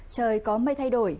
trời có mây thay đổi